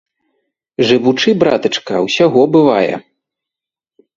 Жывучы, братачка, усяго бывае.